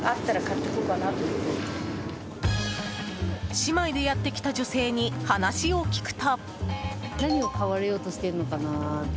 姉妹でやってきた女性に話を聞くと。